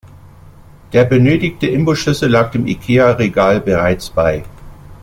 Der benötigte Imbusschlüssel lag dem Ikea-Regal bereits bei.